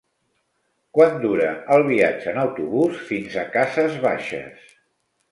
Quant dura el viatge en autobús fins a Cases Baixes?